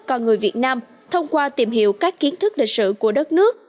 con người việt nam thông qua tìm hiểu các kiến thức lịch sử của đất nước